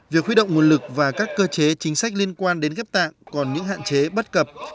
việc khuyết động nguồn lực và các cơ chế chính sách liên quan đến ghép tạng còn những hạn chế bất cập